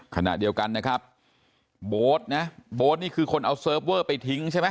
ขณะเดียวกันนะครับโบ๊ทนะโบ๊ทนี่คือคนเอาเซิร์ฟเวอร์ไปทิ้งใช่ไหม